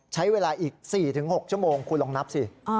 ใช้เวลาอีก๔๖ชั่วโมงคุณลองนับสิ